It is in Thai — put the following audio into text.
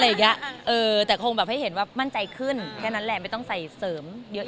เออแต่คงแบบให้เห็นว่ามั่นใจขึ้นแค่นั้นแหละไม่ต้องใส่เสริมเยอะ